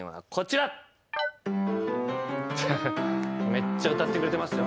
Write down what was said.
めっちゃ歌ってくれてますよ。